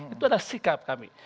itu adalah sikap kami